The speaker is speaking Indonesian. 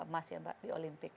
emas ya mbak di olimpik